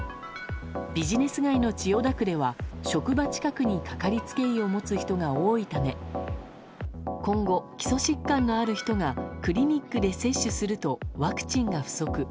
ビジネス街の千代田区では職場近くにかかりつけ医を持つ人が多いため今後、基礎疾患のある人がクリニックで接種するとワクチンが不足。